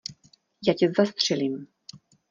Já tě zastřelím!